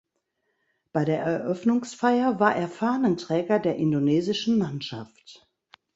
Bei der Eröffnungsfeier war er Fahnenträger der indonesischen Mannschaft.